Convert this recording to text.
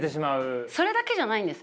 それだけじゃないんです。